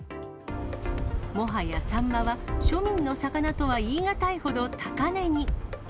もはやサンマは庶民の魚とは言い難いほど、高値に。